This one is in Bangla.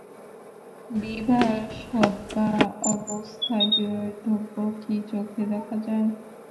বিভার সধবা অবস্থায় বৈধব্য কি চোখে দেখা যায়?